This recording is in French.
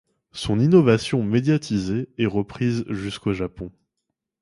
Son innovation médiatisée est reprise jusqu'au Japon.